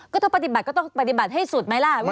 ก็ถ้าปฏิบัติก็ต้องปฏิบัติให้สุดไหมล่ะ